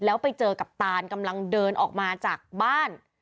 แล้วไปเจอกับตานกำลังเดินออกมาจากบ้าน